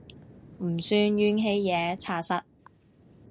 唔算怨氣嘢查實